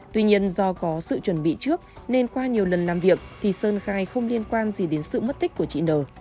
tuy nhiên do có sự chuẩn bị trước nên qua nhiều lần làm việc thì sơn khai không liên quan gì đến sự mất tích của chị nờ